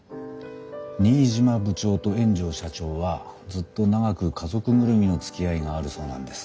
新島部長と円城社長はずっと長く家族ぐるみのつきあいがあるそうなんです。